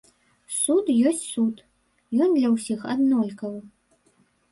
Суд ёсць суд, ён для ўсіх аднолькавы.